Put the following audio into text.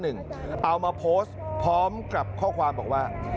เอามาโพสต์พร้อมกับข้อความบอกว่า